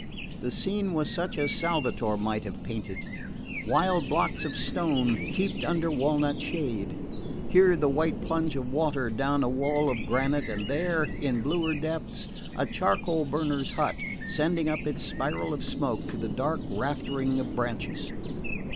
The scene was such as Salvator might have painted: wild blocks of stone heaped under walnut shade; here the white plunge of water down a wall of granite, and there, in bluer depths, a charcoal burner's hut sending up its spiral of smoke to the dark raftering of branches.